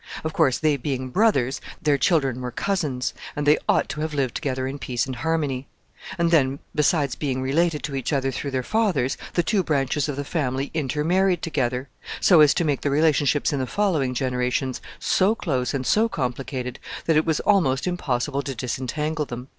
Of course, they being brothers, their children were cousins, and they ought to have lived together in peace and harmony. And then, besides being related to each other through their fathers, the two branches of the family intermarried together, so as to make the relationships in the following generations so close and so complicated that it was almost impossible to disentangle them.